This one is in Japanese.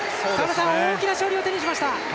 大きな勝利を手にしました！